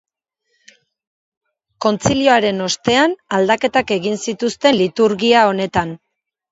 Kontzilioaren ostean aldaketak egin zituzten liturgia honetan.